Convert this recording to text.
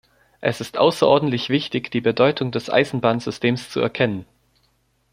Es ist außerordentlich wichtig, die Bedeutung des Eisenbahnsystems zu erkennen.